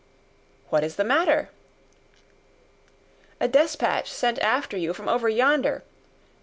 "What is the matter?" "A despatch sent after you from over yonder.